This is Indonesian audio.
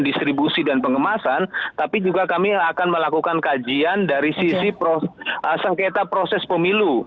distribusi dan pengemasan tapi juga kami akan melakukan kajian dari sisi sengketa proses pemilu